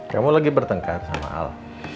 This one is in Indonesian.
kamu lagi bertengkar sama al